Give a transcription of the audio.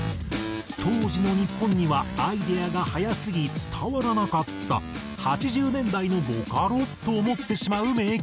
当時の日本にはアイデアが早すぎ伝わらなかった８０年代のボカロ！？と思ってしまう名曲。